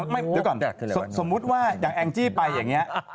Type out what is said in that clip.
เดี๋ยวก่อนสมมุติว่าอย่างแองจี้ไปอย่างนี้